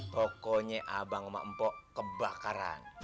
pokoknya abang sama empok kebakaran